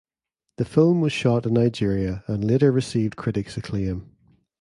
The film was shot in Nigeria and later received critics acclaim.